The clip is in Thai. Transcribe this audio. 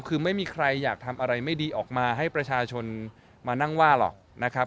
คือไม่มีใครอยากทำอะไรไม่ดีออกมาให้ประชาชนมานั่งว่าหรอกนะครับ